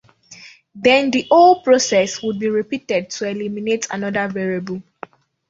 Then the whole process would be repeated to eliminate another variable.